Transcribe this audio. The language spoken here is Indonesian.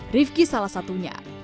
rifqi salah satunya